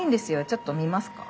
ちょっと見ますか？